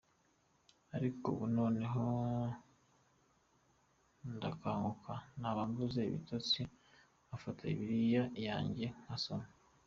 Ariko ubu noneho ndakanguka naba mbuze ibitotsi nkafata Bibiliya yanjye nkasoma.